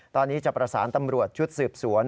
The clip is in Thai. ตอนนี้จะประสานตำรวจชุดสืบสวน